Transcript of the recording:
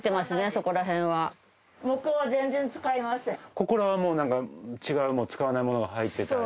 ここらは違うもの使わないものが入ってたり？